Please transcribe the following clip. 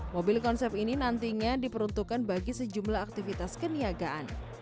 mobil konsep ini nantinya diperuntukkan bagi sejumlah aktivitas keniagaan